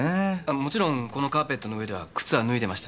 もちろんこのカーペットの上では靴は脱いでましたけど。